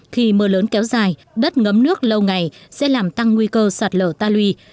khi mưa lớn kéo dài đất ngấm nước lâu ngày sẽ làm tăng nguy cơ sạt lở ta luy